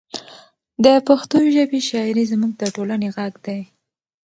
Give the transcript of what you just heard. د پښتو ژبې شاعري زموږ د ټولنې غږ دی.